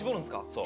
そう。